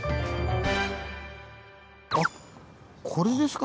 あっこれですか。